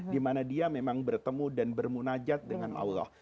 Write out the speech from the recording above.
di mana dia memang bertemu dan bermunajat dengan allah